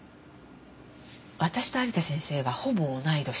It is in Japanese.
私と有田先生はほぼ同い年。